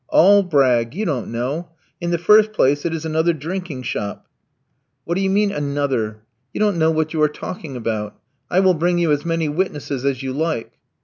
"All brag. You don't know. In the first place it is another drinking shop." "What do you mean, another? You don't know what you are talking about. I will bring you as many witnesses as you like."